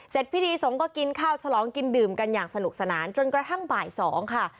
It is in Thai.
พิธีสงฆ์ก็กินข้าวฉลองกินดื่มกันอย่างสนุกสนานจนกระทั่งบ่าย๒ค่ะ